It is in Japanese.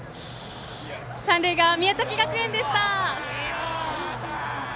三塁側、宮崎学園でした。